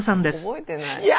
覚えてない。